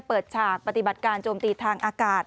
ฉากปฏิบัติการโจมตีทางอากาศ